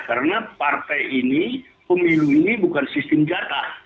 karena partai ini pemilu ini bukan sistem jatah